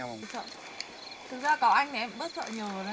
có anh em bớt sợ nhiều rồi